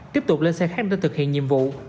tiếp tục lên xe khách để thực hiện nhiệm vụ